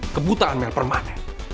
kebutaan mel permanen